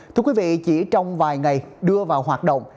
thưa quý vị chỉ trong vài ngày đưa vào hoạt động